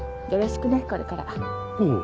よろしくねこれから